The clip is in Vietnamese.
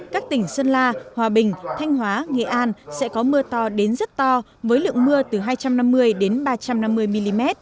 các tỉnh sơn la hòa bình thanh hóa nghệ an sẽ có mưa to đến rất to với lượng mưa từ hai trăm năm mươi đến ba trăm năm mươi mm